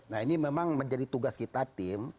nah ini memang menjadi tugas kita tim